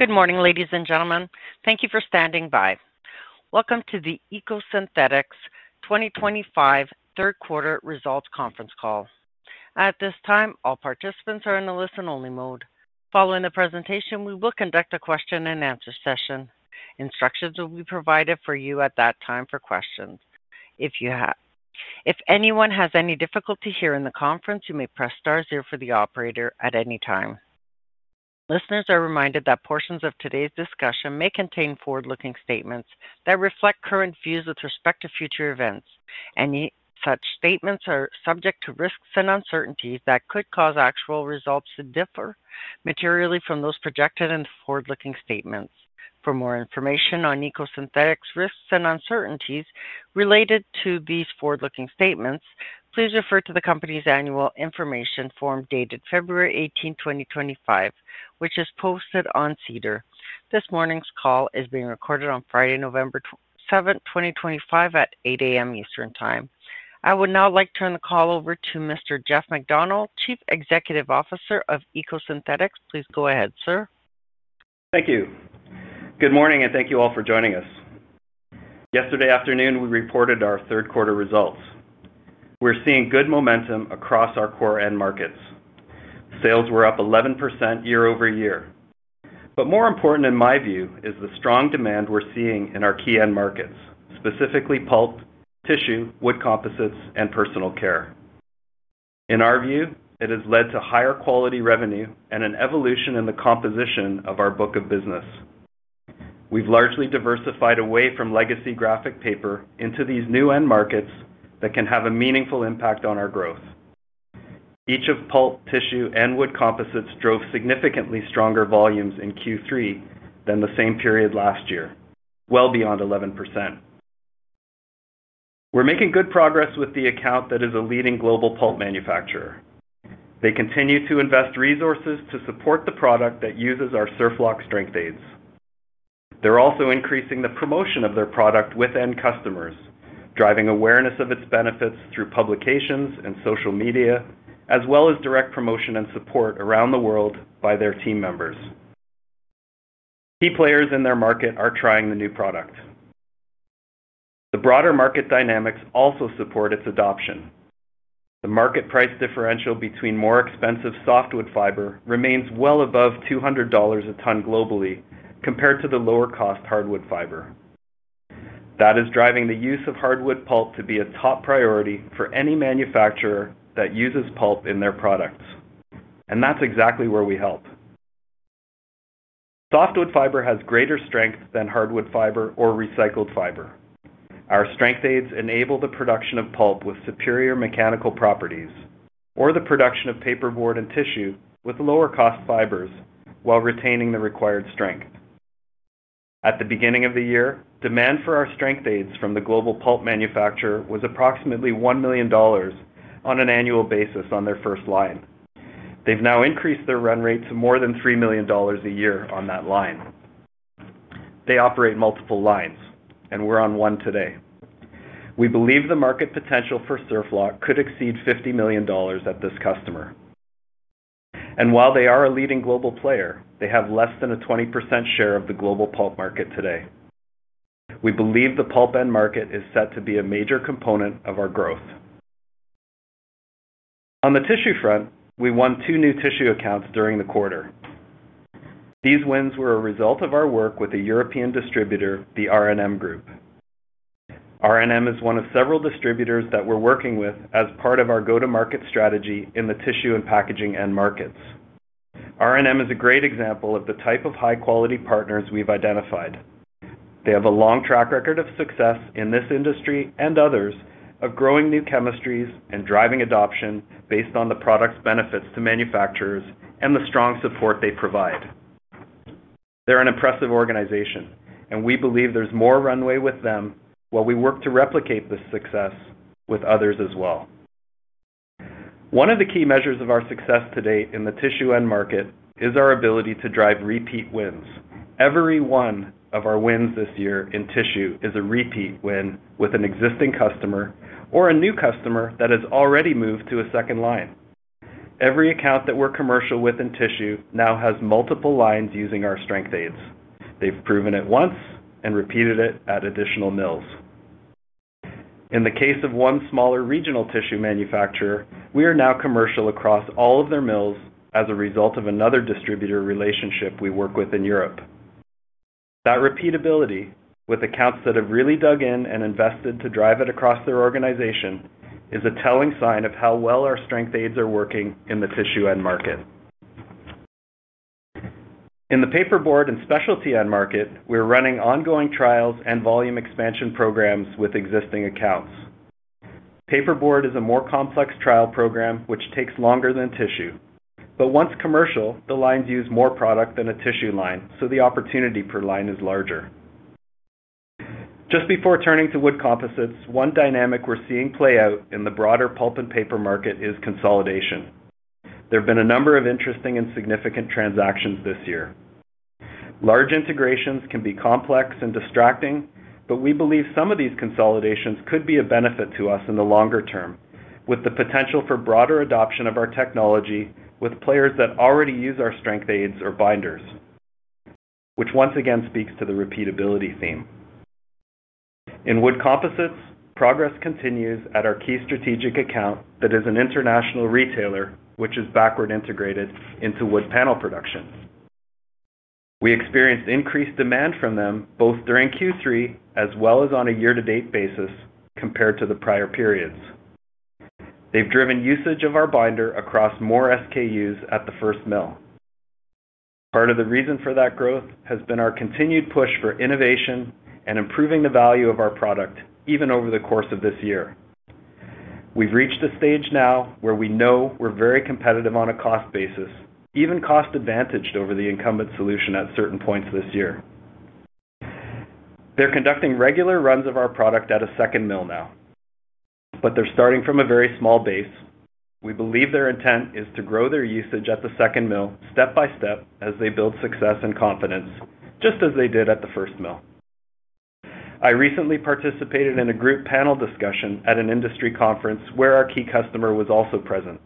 Good morning, ladies and gentlemen. Thank you for standing by. Welcome to the EcoSynthetix 2025 third quarter results conference call. At this time, all participants are in the listen-only mode. Following the presentation, we will conduct a question-and-answer session. Instructions will be provided for you at that time for questions. If anyone has any difficulty hearing the conference, you may press star zero for the operator at any time. Listeners are reminded that portions of today's discussion may contain forward-looking statements that reflect current views with respect to future events. Any such statements are subject to risks and uncertainties that could cause actual results to differ materially from those projected in the forward-looking statements. For more information on EcoSynthetix risks and uncertainties related to these forward-looking statements, please refer to the company's annual information form dated February 18, 2025, which is posted on SEDAR. This morning's call is being recorded on Friday, November 7, 2025, at 8:00 A.M. Eastern Time. I would now like to turn the call over to Mr. Jeff Macdonald, Chief Executive Officer of EcoSynthetix. Please go ahead, sir. Thank you. Good morning, and thank you all for joining us. Yesterday afternoon, we reported our third quarter results. We're seeing good momentum across our core end markets. Sales were up 11% year over year. More important, in my view, is the strong demand we're seeing in our key end markets, specifically pulp, tissue, wood composites, and personal care. In our view, it has led to higher quality revenue and an evolution in the composition of our book of business. We've largely diversified away from legacy graphic paper into these new end markets that can have a meaningful impact on our growth. Each of pulp, tissue, and wood composites drove significantly stronger volumes in Q3 than the same period last year, well beyond 11%. We're making good progress with the account that is a leading global pulp manufacturer. They continue to invest resources to support the product that uses our SurfLock strength aids. They are also increasing the promotion of their product with end customers, driving awareness of its benefits through publications and social media, as well as direct promotion and support around the world by their team members. Key players in their market are trying the new product. The broader market dynamics also support its adoption. The market price differential between more expensive softwood fiber remains well above $200 a ton globally compared to the lower-cost hardwood fiber. That is driving the use of hardwood pulp to be a top priority for any manufacturer that uses pulp in their products. That is exactly where we help. Softwood fiber has greater strength than hardwood fiber or recycled fiber. Our strength aids enable the production of pulp with superior mechanical properties, or the production of paperboard and tissue with lower-cost fibers while retaining the required strength. At the beginning of the year, demand for our strength aids from the global pulp manufacturer was approximately $1 million on an annual basis on their first line. They've now increased their run rate to more than $3 million a year on that line. They operate multiple lines, and we're on one today. We believe the market potential for SurfLock could exceed $50 million at this customer. While they are a leading global player, they have less than a 20% share of the global pulp market today. We believe the pulp end market is set to be a major component of our growth. On the tissue front, we won two new tissue accounts during the quarter. These wins were a result of our work with a European distributor, the RNM Group. RNM is one of several distributors that we're working with as part of our go-to-market strategy in the tissue and packaging end markets. RNM is a great example of the type of high-quality partners we've identified. They have a long track record of success in this industry and others, of growing new chemistries and driving adoption based on the product's benefits to manufacturers and the strong support they provide. They're an impressive organization, and we believe there's more runway with them while we work to replicate this success with others as well. One of the key measures of our success today in the tissue end market is our ability to drive repeat wins. Every one of our wins this year in tissue is a repeat win with an existing customer or a new customer that has already moved to a second line. Every account that we're commercial within tissue now has multiple lines using our strength aids. They've proven it once and repeated it at additional mills. In the case of one smaller regional tissue manufacturer, we are now commercial across all of their mills as a result of another distributor relationship we work with in Europe. That repeatability with accounts that have really dug in and invested to drive it across their organization is a telling sign of how well our strength aids are working in the tissue end market. In the paperboard and specialty end market, we're running ongoing trials and volume expansion programs with existing accounts. Paperboard is a more complex trial program, which takes longer than tissue. Once commercial, the lines use more product than a tissue line, so the opportunity per line is larger. Just before turning to wood composites, one dynamic we're seeing play out in the broader pulp and paper market is consolidation. There have been a number of interesting and significant transactions this year. Large integrations can be complex and distracting, but we believe some of these consolidations could be a benefit to us in the longer term, with the potential for broader adoption of our technology with players that already use our strength aids or binders, which once again speaks to the repeatability theme. In wood composites, progress continues at our key strategic account that is an international retailer, which is backward integrated into wood panel production. We experienced increased demand from them both during Q3 as well as on a year-to-date basis compared to the prior periods. They've driven usage of our binder across more SKUs at the first mill. Part of the reason for that growth has been our continued push for innovation and improving the value of our product even over the course of this year. We've reached a stage now where we know we're very competitive on a cost basis, even cost-advantaged over the incumbent solution at certain points this year. They're conducting regular runs of our product at a second mill now, but they're starting from a very small base. We believe their intent is to grow their usage at the second mill step by step as they build success and confidence, just as they did at the first mill. I recently participated in a group panel discussion at an industry conference where our key customer was also present.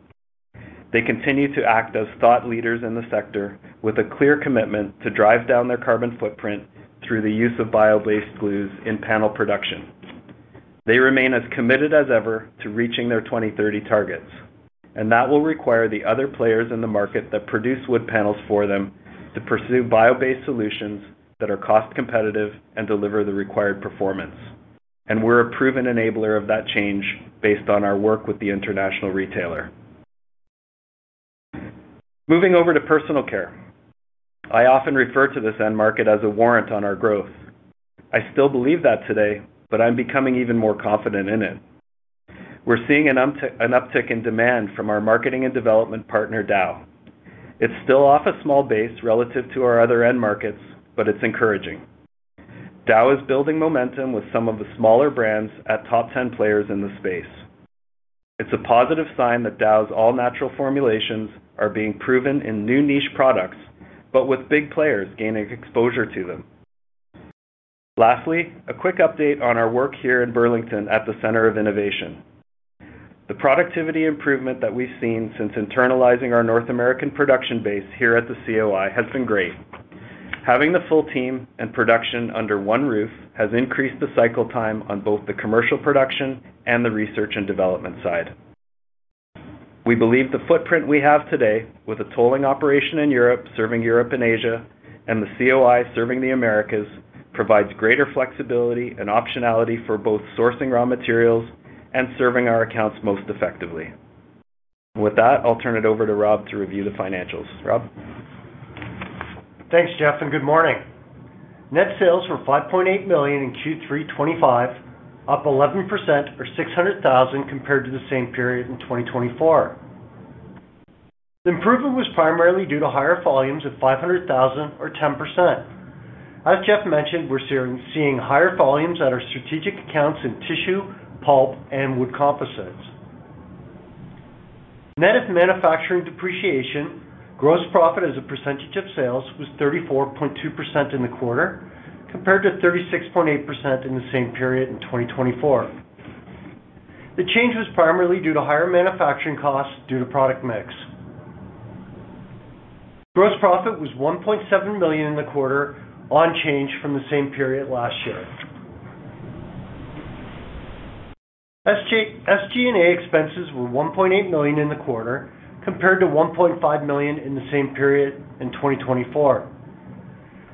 They continue to act as thought leaders in the sector with a clear commitment to drive down their carbon footprint through the use of bio-based glues in panel production. They remain as committed as ever to reaching their 2030 targets, and that will require the other players in the market that produce wood panels for them to pursue bio-based solutions that are cost-competitive and deliver the required performance. We're a proven enabler of that change based on our work with the international retailer. Moving over to personal care, I often refer to this end market as a warrant on our growth. I still believe that today, but I'm becoming even more confident in it. We're seeing an uptick in demand from our marketing and development partner, Dow. It's still off a small base relative to our other end markets, but it's encouraging. Dow is building momentum with some of the smaller brands at top 10 players in the space. It's a positive sign that Dow's all-natural formulations are being proven in new niche products, but with big players gaining exposure to them. Lastly, a quick update on our work here in Burlington at the Centre of Innovation. The productivity improvement that we've seen since internalizing our North American production base here at the COI has been great. Having the full team and production under one roof has increased the cycle time on both the commercial production and the research and development side. We believe the footprint we have today, with a tolling operation in Europe serving Europe and Asia and the COI serving the Americas, provides greater flexibility and optionality for both sourcing raw materials and serving our accounts most effectively. With that, I'll turn it over to Rob to review the financials. Rob? Thanks, Jeff, and good morning. Net sales were $5.8 million in Q3 2025, up 11% or $600,000 compared to the same period in 2024. The improvement was primarily due to higher volumes of $500,000 or 10%. As Jeff mentioned, we're seeing higher volumes at our strategic accounts in tissue, pulp, and wood composites. Net manufacturing depreciation, gross profit as a percentage of sales was 34.2% in the quarter compared to 36.8% in the same period in 2024. The change was primarily due to higher manufacturing costs due to product mix. Gross profit was $1.7 million in the quarter on change from the same period last year. SG&A expenses were $1.8 million in the quarter compared to $1.5 million in the same period in 2024.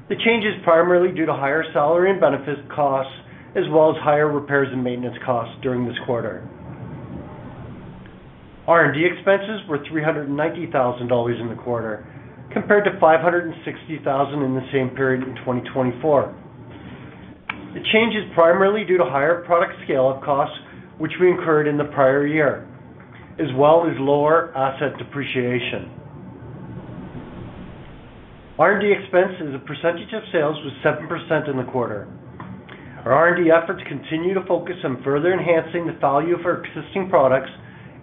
The change is primarily due to higher salary and benefits costs as well as higher repairs and maintenance costs during this quarter. R&D expenses were $390,000 in the quarter compared to $560,000 in the same period in 2024. The change is primarily due to higher product scale-up costs, which we incurred in the prior year, as well as lower asset depreciation. R&D expense as a percentage of sales was 7% in the quarter. Our R&D efforts continue to focus on further enhancing the value of our existing products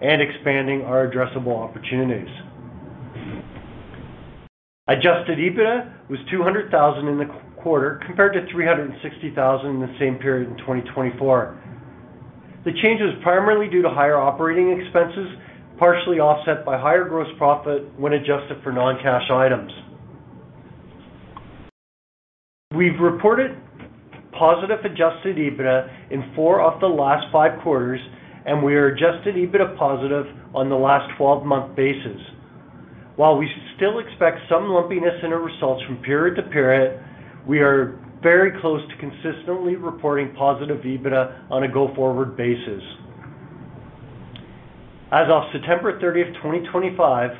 and expanding our addressable opportunities. Adjusted EBITDA was $200,000 in the quarter compared to $360,000 in the same period in 2024. The change was primarily due to higher operating expenses, partially offset by higher gross profit when adjusted for non-cash items. We've reported positive adjusted EBITDA in four of the last five quarters, and we are adjusted EBITDA positive on the last 12-month basis. While we still expect some lumpiness in our results from period to period, we are very close to consistently reporting positive EBITDA on a go-forward basis. As of September 30th, 2025,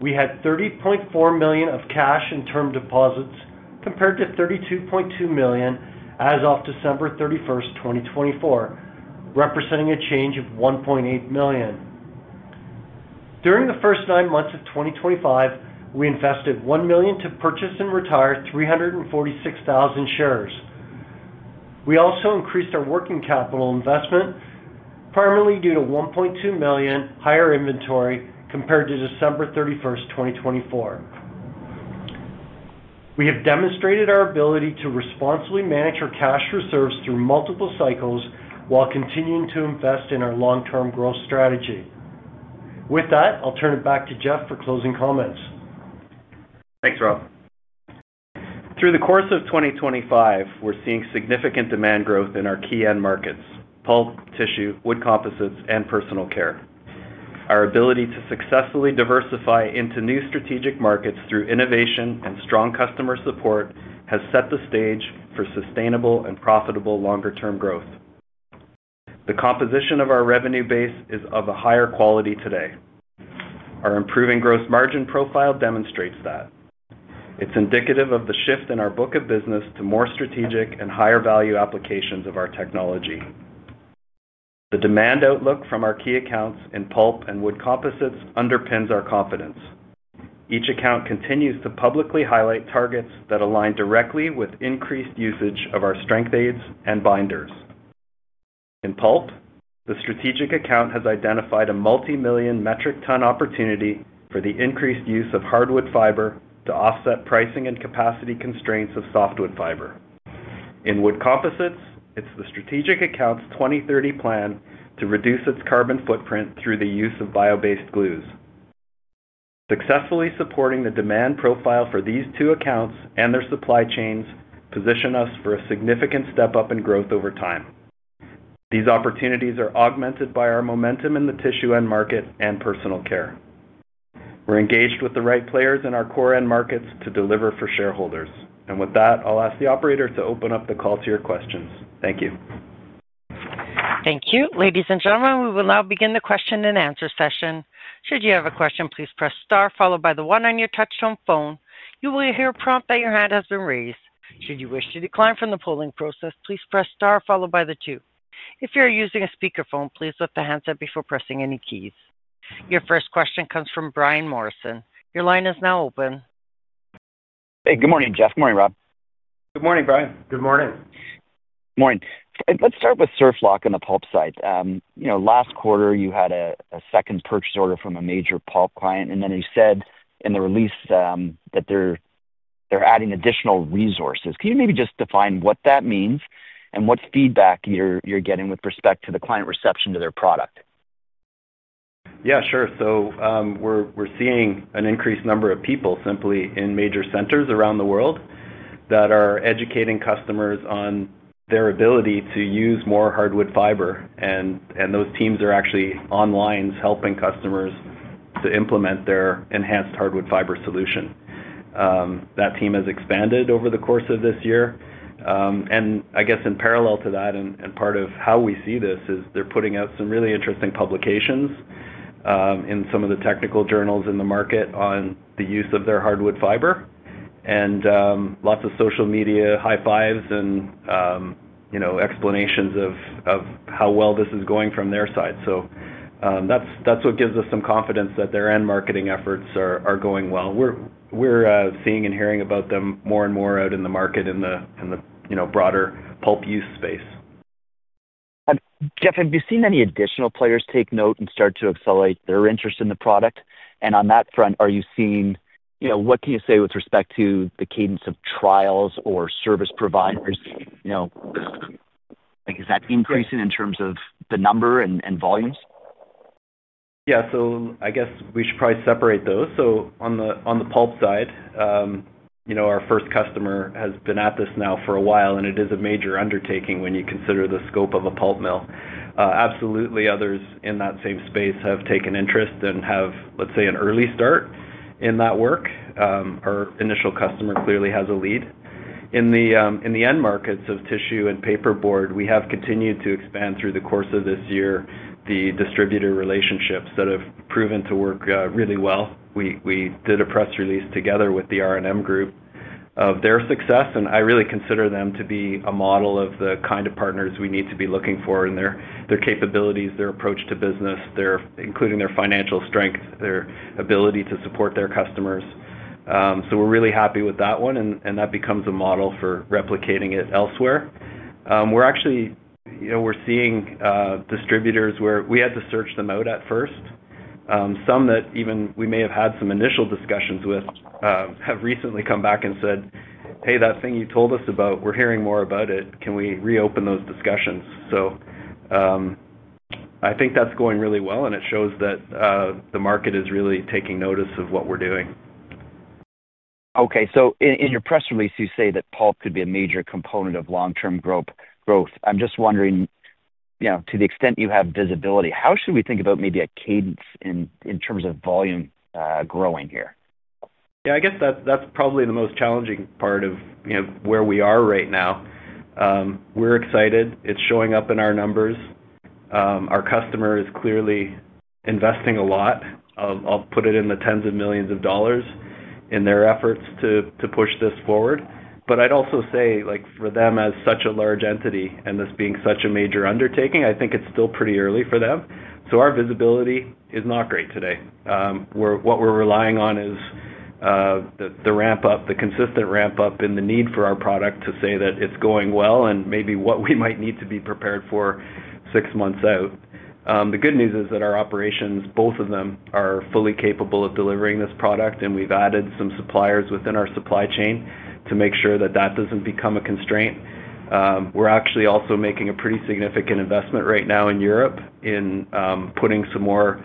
we had $30.4 million of cash and term deposits compared to $32.2 million as of December 31, 2024, representing a change of $1.8 million. During the first nine months of 2025, we invested $1 million to purchase and retire 346,000 shares. We also increased our working capital investment, primarily due to $1.2 million higher inventory compared to December 31st, 2024. We have demonstrated our ability to responsibly manage our cash reserves through multiple cycles while continuing to invest in our long-term growth strategy. With that, I'll turn it back to Jeff for closing comments. Thanks, Rob. Through the course of 2025, we're seeing significant demand growth in our key end markets: pulp, tissue, wood composites, and personal care. Our ability to successfully diversify into new strategic markets through innovation and strong customer support has set the stage for sustainable and profitable longer-term growth. The composition of our revenue base is of a higher quality today. Our improving gross margin profile demonstrates that. It's indicative of the shift in our book of business to more strategic and higher-value applications of our technology. The demand outlook from our key accounts in pulp and wood composites underpins our confidence. Each account continues to publicly highlight targets that align directly with increased usage of our strength aids and binders. In pulp, the strategic account has identified a multi-million metric ton opportunity for the increased use of hardwood fiber to offset pricing and capacity constraints of softwood fiber. In wood composites, it's the strategic account's 2030 plan to reduce its carbon footprint through the use of bio-based glues. Successfully supporting the demand profile for these two accounts and their supply chains position us for a significant step up in growth over time. These opportunities are augmented by our momentum in the tissue end market and personal care. We're engaged with the right players in our core end markets to deliver for shareholders. With that, I'll ask the operator to open up the call to your questions. Thank you. Thank you. Ladies and gentlemen, we will now begin the question and answer session. Should you have a question, please press star followed by the one on your touch tone phone. You will hear a prompt that your hand has been raised. Should you wish to decline from the polling process, please press star followed by the two. If you're using a speakerphone, please lift the handset before pressing any keys. Your first question comes from Brian Morrison. Your line is now open. Hey, good morning, Jeff. Good morning, Rob. Good morning, Brian. Good morning. Good morning. Let's start with SurfLock on the pulp side. Last quarter, you had a second purchase order from a major pulp client, and then you said in the release that they're adding additional resources. Can you maybe just define what that means and what feedback you're getting with respect to the client reception to their product? Yeah, sure. We're seeing an increased number of people simply in major centers around the world that are educating customers on their ability to use more hardwood fiber. Those teams are actually on lines helping customers to implement their enhanced hardwood fiber solution. That team has expanded over the course of this year. I guess in parallel to that, and part of how we see this is they're putting out some really interesting publications in some of the technical journals in the market on the use of their hardwood fiber and lots of social media high-fives and explanations of how well this is going from their side. That gives us some confidence that their end marketing efforts are going well. We're seeing and hearing about them more and more out in the market in the broader pulp use space. Jeff, have you seen any additional players take note and start to accelerate their interest in the product? On that front, are you seeing, what can you say with respect to the cadence of trials or service providers? Is that increasing in terms of the number and volumes? Yeah, so I guess we should probably separate those. On the pulp side, our first customer has been at this now for a while, and it is a major undertaking when you consider the scope of a pulp mill. Absolutely, others in that same space have taken interest and have, let's say, an early start in that work. Our initial customer clearly has a lead. In the end markets of tissue and paperboard, we have continued to expand through the course of this year the distributor relationships that have proven to work really well. We did a press release together with the RNM Group of their success, and I really consider them to be a model of the kind of partners we need to be looking for in their capabilities, their approach to business, including their financial strength, their ability to support their customers. We're really happy with that one, and that becomes a model for replicating it elsewhere. We're actually seeing distributors where we had to search them out at first. Some that even we may have had some initial discussions with have recently come back and said, "Hey, that thing you told us about, we're hearing more about it. Can we reopen those discussions?" I think that's going really well, and it shows that the market is really taking notice of what we're doing. Okay. So in your press release, you say that pulp could be a major component of long-term growth. I'm just wondering, to the extent you have visibility, how should we think about maybe a cadence in terms of volume growing here? Yeah, I guess that's probably the most challenging part of where we are right now. We're excited. It's showing up in our numbers. Our customer is clearly investing a lot. I'll put it in the tens of millions of dollars in their efforts to push this forward. I'd also say for them, as such a large entity and this being such a major undertaking, I think it's still pretty early for them. Our visibility is not great today. What we're relying on is the ramp-up, the consistent ramp-up in the need for our product to say that it's going well and maybe what we might need to be prepared for six months out. The good news is that our operations, both of them, are fully capable of delivering this product, and we've added some suppliers within our supply chain to make sure that that doesn't become a constraint. We're actually also making a pretty significant investment right now in Europe in putting some more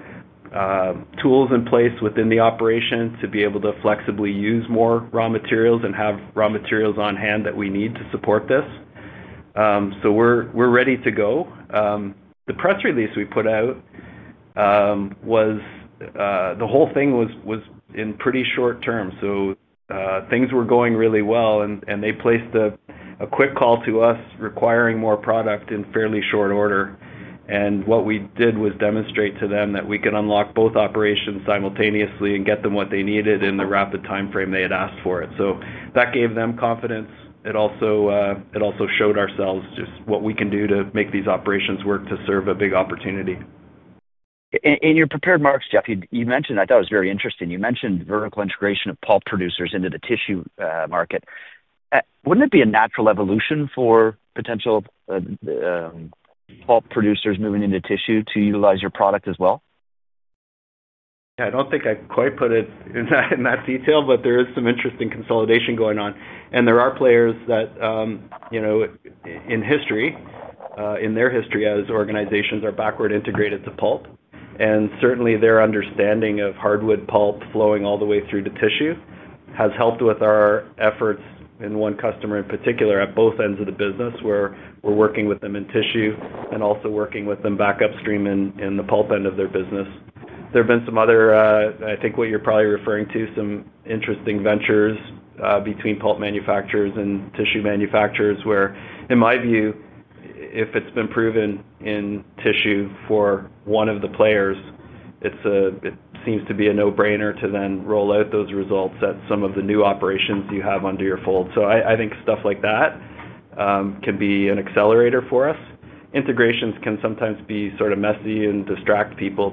tools in place within the operation to be able to flexibly use more raw materials and have raw materials on hand that we need to support this. We're ready to go. The press release we put out was, the whole thing was in pretty short term. Things were going really well, and they placed a quick call to us requiring more product in fairly short order. What we did was demonstrate to them that we can unlock both operations simultaneously and get them what they needed in the rapid timeframe they had asked for it. That gave them confidence. It also showed ourselves just what we can do to make these operations work to serve a big opportunity. In your prepared remarks, Jeff, you mentioned I thought it was very interesting. You mentioned vertical integration of pulp producers into the tissue market. Wouldn't it be a natural evolution for potential pulp producers moving into tissue to utilize your product as well? Yeah, I don't think I quite put it in that detail, but there is some interesting consolidation going on. There are players that, in their history as organizations, are backward integrated to pulp. Certainly, their understanding of hardwood pulp flowing all the way through to tissue has helped with our efforts in one customer in particular at both ends of the business, where we're working with them in tissue and also working with them back upstream in the pulp end of their business. There have been some other, I think what you're probably referring to, some interesting ventures between pulp manufacturers and tissue manufacturers where, in my view, if it's been proven in tissue for one of the players, it seems to be a no-brainer to then roll out those results at some of the new operations you have under your fold. I think stuff like that can be an accelerator for us. Integrations can sometimes be sort of messy and distract people,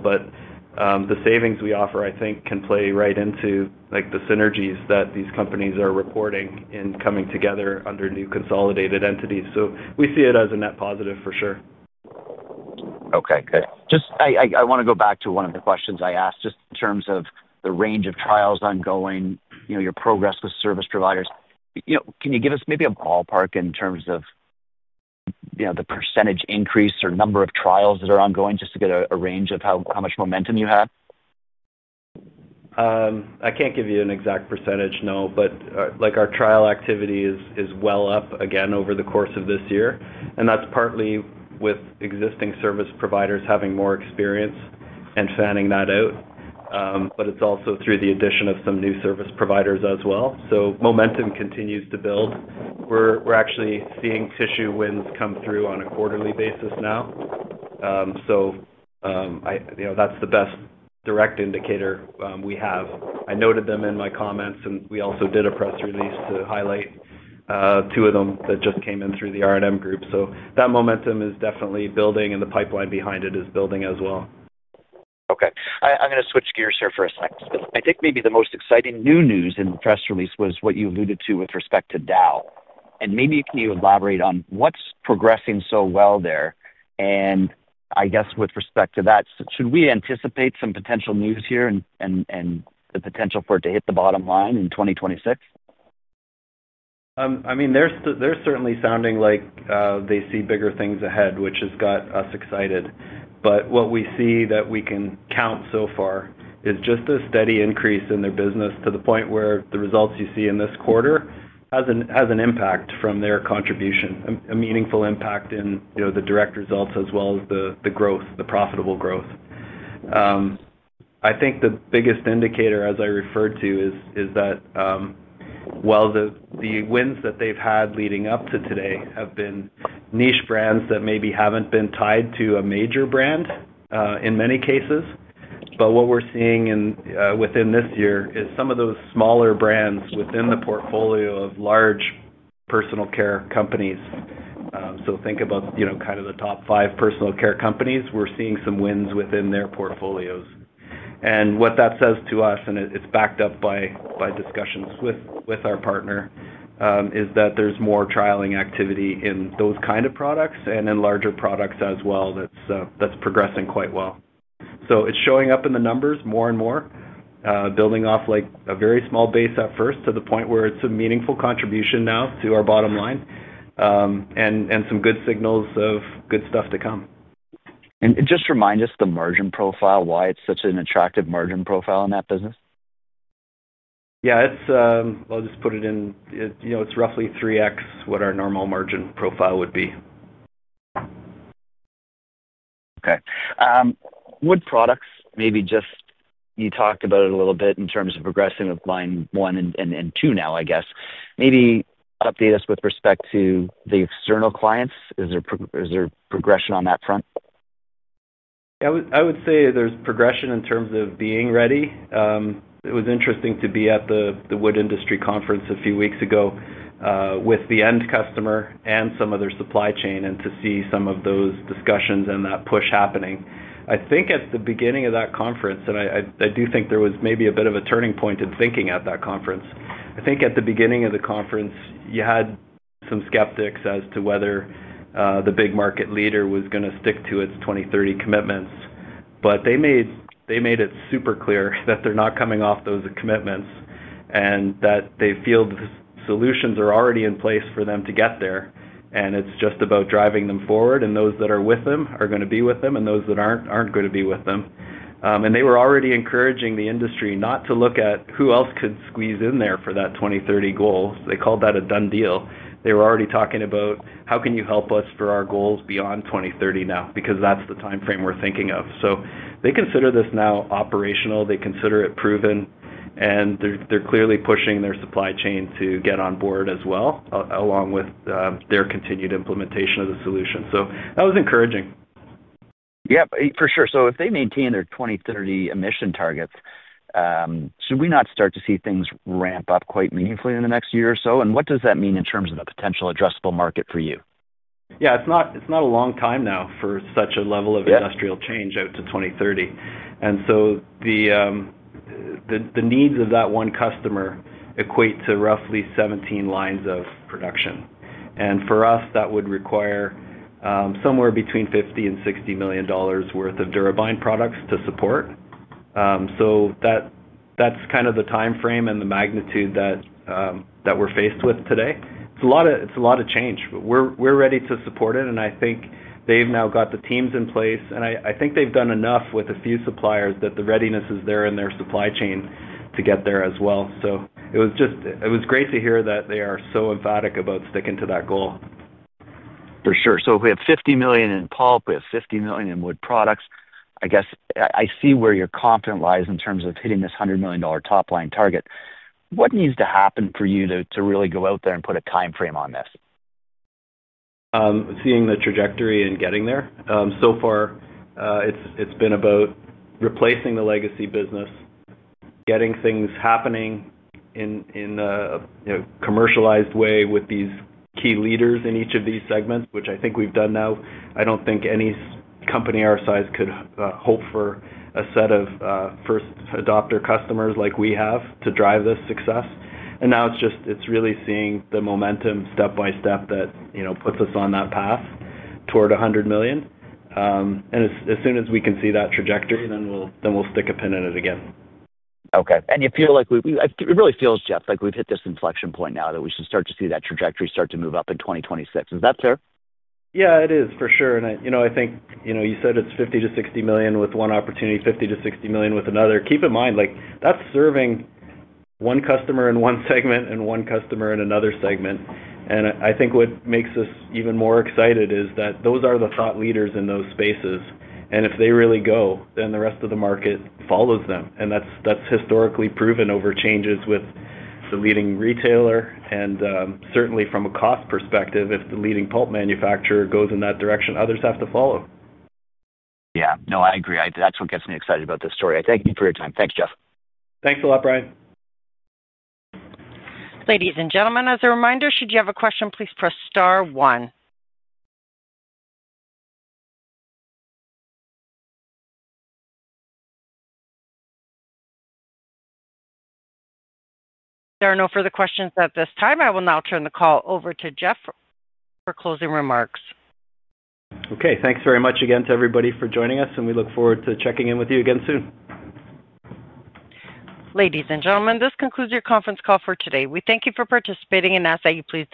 but the savings we offer, I think, can play right into the synergies that these companies are reporting in coming together under new consolidated entities. We see it as a net positive for sure. Okay. Good. I want to go back to one of the questions I asked just in terms of the range of trials ongoing, your progress with service providers. Can you give us maybe a ballpark in terms of the percentage increase or number of trials that are ongoing just to get a range of how much momentum you have? I can't give you an exact percentage, no, but our trial activity is well up again over the course of this year. That's partly with existing service providers having more experience and fanning that out, but it's also through the addition of some new service providers as well. Momentum continues to build. We're actually seeing tissue wins come through on a quarterly basis now. That's the best direct indicator we have. I noted them in my comments, and we also did a press release to highlight two of them that just came in through the RNM Group. That momentum is definitely building, and the pipeline behind it is building as well. Okay. I'm going to switch gears here for a second. I think maybe the most exciting new news in the press release was what you alluded to with respect to Dow. Maybe can you elaborate on what's progressing so well there? I guess with respect to that, should we anticipate some potential news here and the potential for it to hit the bottom line in 2026? I mean, they're certainly sounding like they see bigger things ahead, which has got us excited. What we see that we can count so far is just a steady increase in their business to the point where the results you see in this quarter has an impact from their contribution, a meaningful impact in the direct results as well as the growth, the profitable growth. I think the biggest indicator, as I referred to, is that the wins that they've had leading up to today have been niche brands that maybe haven't been tied to a major brand in many cases. What we're seeing within this year is some of those smaller brands within the portfolio of large personal care companies. Think about kind of the top five personal care companies. We're seeing some wins within their portfolios. What that says to us, and it's backed up by discussions with our partner, is that there's more trialing activity in those kind of products and in larger products as well that's progressing quite well. It is showing up in the numbers more and more, building off a very small base at first to the point where it's a meaningful contribution now to our bottom line and some good signals of good stuff to come. Just remind us the margin profile, why it's such an attractive margin profile in that business. Yeah, I'll just put it in. It's roughly 3x what our normal margin profile would be. Okay. Wood products, maybe just you talked about it a little bit in terms of progressing with line one and two now, I guess. Maybe update us with respect to the external clients. Is there progression on that front? Yeah, I would say there's progression in terms of being ready. It was interesting to be at the Wood Industry Conference a few weeks ago with the end customer and some of their supply chain and to see some of those discussions and that push happening. I think at the beginning of that conference, and I do think there was maybe a bit of a turning point in thinking at that conference. I think at the beginning of the conference, you had some skeptics as to whether the big market leader was going to stick to its 2030 commitments. They made it super clear that they're not coming off those commitments and that they feel the solutions are already in place for them to get there. It is just about driving them forward, and those that are with them are going to be with them, and those that are not are not going to be with them. They were already encouraging the industry not to look at who else could squeeze in there for that 2030 goal. They called that a done deal. They were already talking about, "How can you help us for our goals beyond 2030 now?" because that is the timeframe we are thinking of. They consider this now operational. They consider it proven, and they are clearly pushing their supply chain to get on board as well, along with their continued implementation of the solution. That was encouraging. Yep, for sure. If they maintain their 2030 emission targets, should we not start to see things ramp up quite meaningfully in the next year or so? What does that mean in terms of a potential addressable market for you? Yeah, it's not a long time now for such a level of industrial change out to 2030. The needs of that one customer equate to roughly 17 lines of production. For us, that would require somewhere between $50 million-$60 million worth of DuraBind products to support. That's kind of the timeframe and the magnitude that we're faced with today. It's a lot of change, but we're ready to support it. I think they've now got the teams in place, and I think they've done enough with a few suppliers that the readiness is there in their supply chain to get there as well. It was just great to hear that they are so emphatic about sticking to that goal. For sure. If we have $50 million in pulp, we have $50 million in wood products. I guess I see where your confidence lies in terms of hitting this $100 million top-line target. What needs to happen for you to really go out there and put a timeframe on this? Seeing the trajectory and getting there. So far, it's been about replacing the legacy business, getting things happening in a commercialized way with these key leaders in each of these segments, which I think we've done now. I don't think any company our size could hope for a set of first-adopter customers like we have to drive this success. Now it's just really seeing the momentum step by step that puts us on that path toward $100 million. As soon as we can see that trajectory, then we'll stick a pin in it again. Okay. You feel like it really feels, Jeff, like we've hit this inflection point now that we should start to see that trajectory start to move up in 2026. Is that fair? Yeah, it is for sure. I think you said it's $50 million-$60 million with one opportunity, $50 million-$60 million with another. Keep in mind, that's serving one customer in one segment and one customer in another segment. I think what makes us even more excited is that those are the thought leaders in those spaces. If they really go, then the rest of the market follows them. That's historically proven over changes with the leading retailer. Certainly, from a cost perspective, if the leading pulp manufacturer goes in that direction, others have to follow. Yeah. No, I agree. That's what gets me excited about this story. Thank you for your time. Thanks, Jeff. Thanks a lot, Brian. Ladies and gentlemen, as a reminder, should you have a question, please press star one. There are no further questions at this time. I will now turn the call over to Jeff for closing remarks. Okay. Thanks very much again to everybody for joining us, and we look forward to checking in with you again soon. Ladies and gentlemen, this concludes your conference call for today. We thank you for participating and ask that you please.